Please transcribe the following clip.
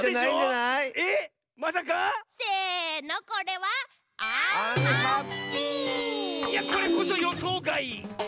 いやこれこそよそうがい！